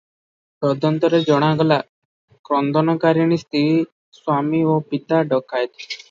ତଦନ୍ତରେ ଜଣାଗଲା, କ୍ରନ୍ଦନକାରିଣୀ ସ୍ତ୍ରୀର ସ୍ୱାମୀ ଓ ପିତା ଡକାଏତ ।